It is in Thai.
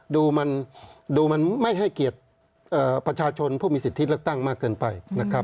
ดูมันไม่ให้เกียรติประชาชนผู้มีสิทธิ์เลือกตั้งมากเกินไป